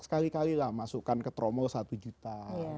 sekali kalilah masukkan ke tromol satu juta